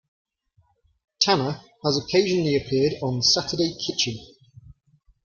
Tanner has occasionally appeared on "Saturday Kitchen".